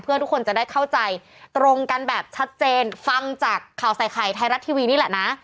เพื่อทุกคนจะได้เข้าใจตรงกันแบบชัดเจนฟังจากข่าวใส่ไข่ไทยรัฐทีวีนี่แหละนะ